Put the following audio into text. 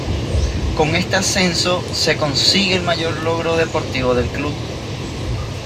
Con este ascenso, se consigue el mayor logro deportivo del club.